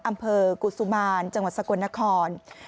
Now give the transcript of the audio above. อำเภอกุศุมารจังหวัดสกลนคร